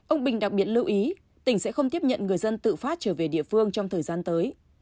ông bình đặc biệt lưu ý tỉnh sẽ không tiếp nhận người dân tự phát trở về địa phương trong thời gian tới